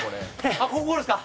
あっここゴールですか？